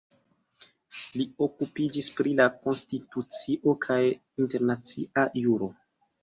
Li okupiĝis pri la konstitucio kaj internacia juro.